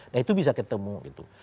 nah itu bisa ketemu gitu